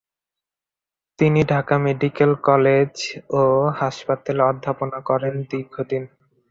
তিনি Dhaka medical college ও হাসপাতালে অধ্যাপনা করেন দীর্ঘদিন।